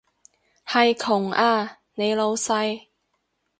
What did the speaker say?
係窮啊，你老闆